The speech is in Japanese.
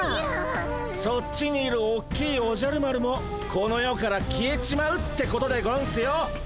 そっちにいるおっきいおじゃる丸もこの世から消えちまうってことでゴンスよ。